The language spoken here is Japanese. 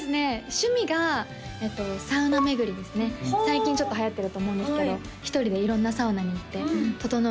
趣味がサウナ巡りですね最近ちょっとはやってると思うんですけど１人で色んなサウナに行って整うことをね